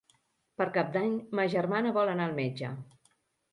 Per Cap d'Any ma germana vol anar al metge.